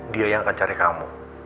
dia yang akan cari kamu